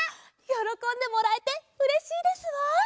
よろこんでもらえてうれしいですわ。